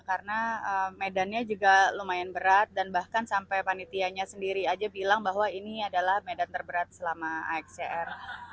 karena medannya juga lumayan berat dan bahkan sampai panitianya sendiri aja bilang bahwa ini adalah medan terberat selama axcr